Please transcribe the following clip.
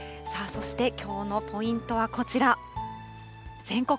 さあ、そしてきょうのポイントはこちら。